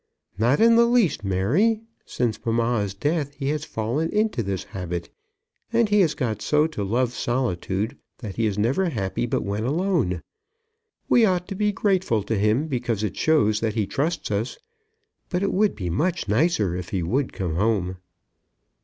"Not in the least, Mary. Since mamma's death he has fallen into this habit, and he has got so to love solitude, that he is never happy but when alone. We ought to be grateful to him because it shows that he trusts us; but it would be much nicer if he would come home."